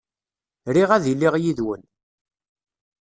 Riɣ ad iliɣ yid-wen.